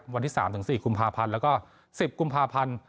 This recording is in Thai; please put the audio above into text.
วันที่๓๔กุมภาพันธ์แล้วก็๑๐กุมภาพันธ์